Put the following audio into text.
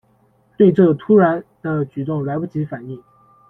对这突然的举动来不及反应